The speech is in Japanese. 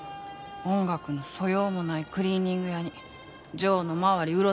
音楽の素養もないクリーニング屋にジョーの周り